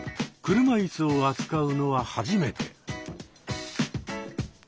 車いすを扱うのは初めて。